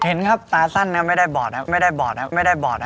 เห็นครับตาสั้นนั้นไม่ได้บอดนะไม่ได้บอดนะไม่ได้บอดนะ